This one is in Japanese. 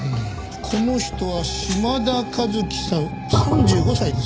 この人は島田和樹さん３５歳ですね。